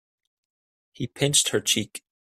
He pinched her cheek.